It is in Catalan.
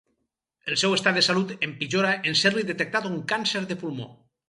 El seu estat de salut empitjora en ser-li detectat un càncer de pulmó.